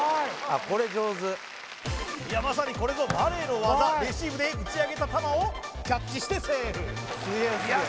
いやまさにこれぞバレーの技レシーブで打ち上げた球をキャッチしてセーフいや